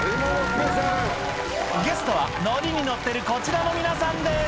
ゲストはノリにノッてるこちらの皆さんです